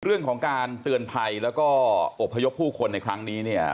เรื่องของการเตือนภัยแล้วก็อบพยพผู้คนในครั้งนี้เนี่ย